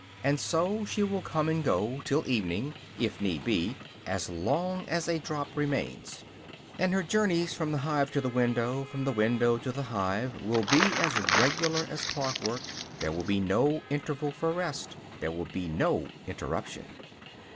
And so she will come and go, till evening, if need be, as long as a drop remains; and her journeys from the hive to the window, from the window to the hive, will be as regular as clock work; there will be no interval for rest; there will be no interruption.